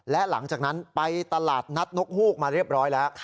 และหลังจากนั้นไปตลาดนัดนกฮูกมาเรียบร้อยแล้ว